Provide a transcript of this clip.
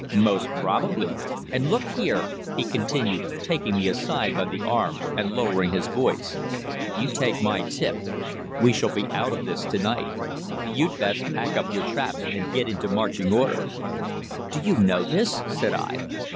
"'Most probably. And look here,' he continued, taking me aside by the arm, and lowering his voice, 'you take my tip. We shall be out of this to night. So you'd best pack up your traps and get into marching order.' "'Do you know this?' said I.